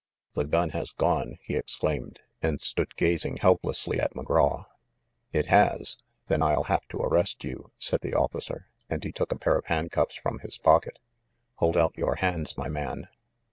"The gun has gone !" he exclaimed, and stood gaz ing helplessly at McGraw. "It has ! Then I'll have to arrest you," said the offi cer, and he took a pair of handcuffs from his pocket. "Hold out your hands, my man